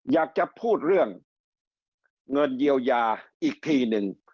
อยากจะพูดเรื่องเงินเยียวยาอีกทีหนึ่ง